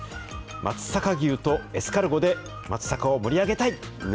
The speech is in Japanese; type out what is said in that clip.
松阪牛とエスカルゴで、松阪を盛り上げたい！